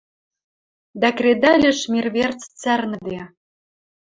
Дӓ кредӓлеш мир верц цӓрнӹде.